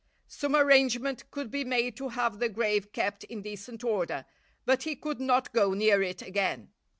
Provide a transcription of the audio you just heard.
Some arrangement could be made to have the grave kept in decent order, but he could not go near it again.